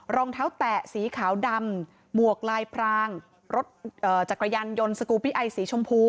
รองเท้าแตะสีขาวดำหมวกลายพรางรถจักรยานยนต์สกูปิ้ไอสีชมพู